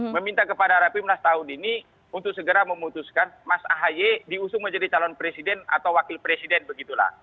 meminta kepada rapimnas tahun ini untuk segera memutuskan mas ahy diusung menjadi calon presiden atau wakil presiden begitulah